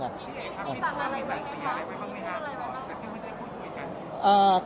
สั่งอะไรมากันครับ